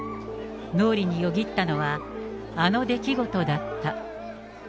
脳裏によぎったのは、あの出来事だった。